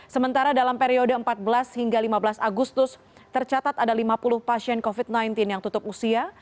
sementara dalam periode empat belas hingga lima belas agustus tercatat ada lima puluh pasien covid sembilan belas yang tutup usia